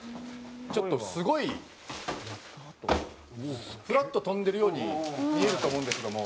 「ちょっとすごい」「フラッと跳んでるように見えると思うんですけども」